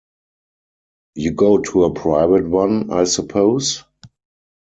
You go to a private one, I suppose?